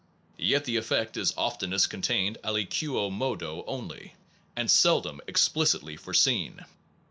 Yet the effect is often est contained aliquo modo only, and seldom explicitly foreseen.